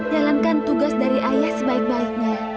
jalankan tugas dari ayah sebaik baiknya